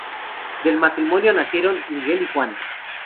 Del matrimonio nacieron Miguel y Juan.